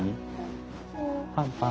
パンパン。